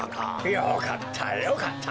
よかったよかった。